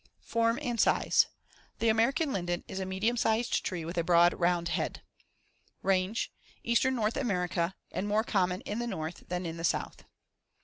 ] Form and size: The American Linden is a medium sized tree with a broad round head. Range: Eastern North America and more common in the north than in the south.